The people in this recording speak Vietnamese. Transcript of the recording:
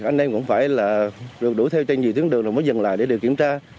anh em cũng phải được đuổi theo cho nhiều tiếng đường rồi mới dừng lại để điều kiểm tra